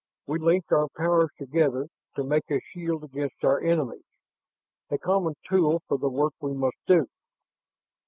We link our powers together to make a shield against our enemies, a common tool for the work we must do."